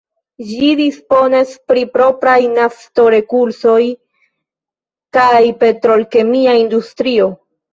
Ĝi disponas pri propraj nafto-resursoj kaj petrol-kemia industrio.